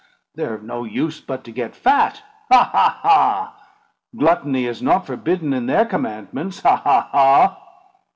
They're of no use but to get fat. Ha! ha! ha! Gluttony is not forbidden in their commandments. Ha! ha! ha!"